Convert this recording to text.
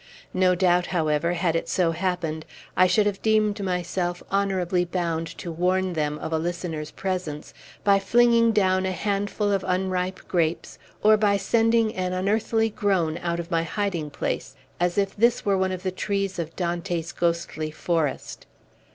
No doubt, however, had it so happened, I should have deemed myself honorably bound to warn them of a listener's presence by flinging down a handful of unripe grapes, or by sending an unearthly groan out of my hiding place, as if this were one of the trees of Dante's ghostly forest.